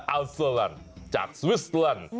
แอลท์โซลันด์จากสวิสเตอร์ลันด์